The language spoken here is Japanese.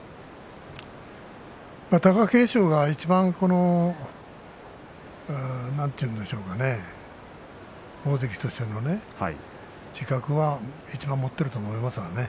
貴景勝がいちばんなんていうんでしょうかね大関としての自覚はいちばん持っていると思いますね。